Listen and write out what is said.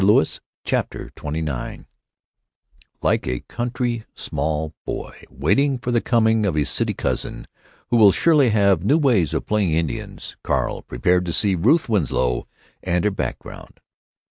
CHAPTER XXIX ike a country small boy waiting for the coming of his city cousin, who will surely have new ways of playing Indians, Carl prepared to see Ruth Winslow and her background.